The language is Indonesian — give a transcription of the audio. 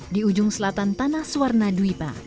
di ujung selatan tanah suarna duwipa